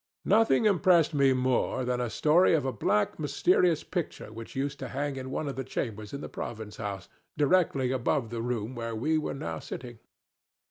Nothing impressed me more than a story of a black mysterious picture which used to hang in one of the chambers of the Province House, directly above the room where we were now sitting.